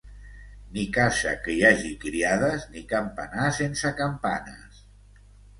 Ni casa que hi hagi criades, ni campanar sense campanes.